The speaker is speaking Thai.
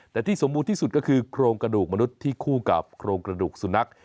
แต่ที่สมบูรณ์ที่สุดก็คือโครงกระดูกมนุษย์ที่คู่กับโครงกระดูกสุนัข